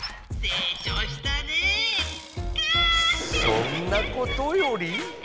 そんなことより！